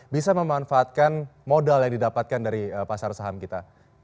bisa memanfaatkan modal yang didapatkan dari pasar saham kita